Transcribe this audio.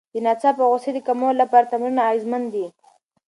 د ناڅاپه غوسې د کمولو لپاره تمرینونه اغېزمن دي.